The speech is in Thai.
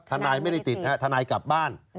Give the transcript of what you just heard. ทนายไม่ได้ติดนะฮะทนายกลับบ้าน